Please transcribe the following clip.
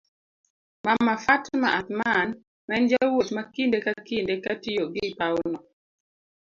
mama Fatma Athman ma en jawuoth ma kinde ka kinde katiyogi pawno